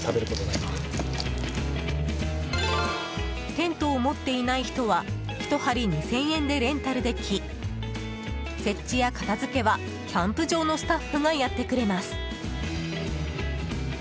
テントを持っていない人はひと張り２０００円でレンタルでき設置や片付けはキャンプ場のスタッフがやってくれます。